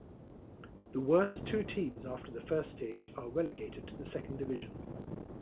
The worst two teams after the first stage are relegated to the second division.